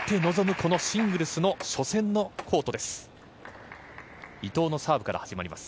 このシングルスの初戦のコートです。